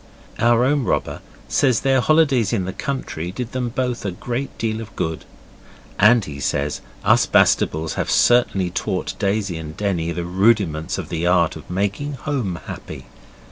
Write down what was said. Our own robber says their holidays in the country did them both a great deal of good. And he says us Bastables have certainly taught Daisy and Denny the rudiments of the art of making home happy.